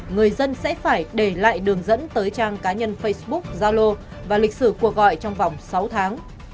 người dân sẽ phải để lại đường dẫn tới trang cá nhân facebook zalo và lịch sử cuộc gọi trong vòng sáu tháng